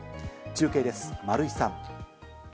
中継です、丸井さん。